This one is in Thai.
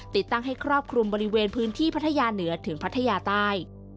ติดตั้งให้ครอบคลุมบริเวณพื้นที่พัทยาเหนือถึงพัทยาใต้